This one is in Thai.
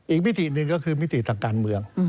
มิติหนึ่งก็คือมิติทางการเมือง